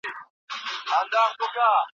ځینې خلک د پښتنو ګړدود ته لهجه وایې.